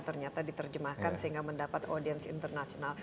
ternyata diterjemahkan sehingga mendapat audiens internasional